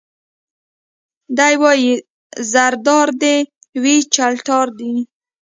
دی وايي زردار دي وي چلتار دي وي